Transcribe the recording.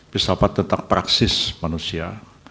filsafat tetap praksis manusia